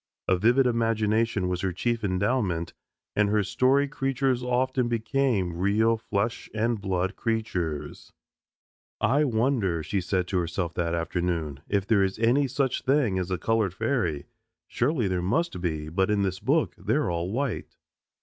A vivid imagination was her chief endowment, and her story creatures often became real flesh and blood creatures. "I wonder," she said to herself that afternoon, "if there is any such thing as a colored fairy? Surely there must be, but in this book they're all white."